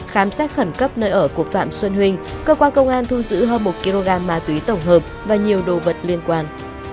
khám xét khẩn cấp nơi ở của phạm xuân huynh cơ quan công an thu giữ hơn một kg ma túy tổng hợp và nhiều đồ vật liên quan